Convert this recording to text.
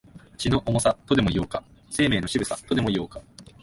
血の重さ、とでも言おうか、生命の渋さ、とでも言おうか、